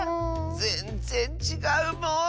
ぜんぜんちがうもん！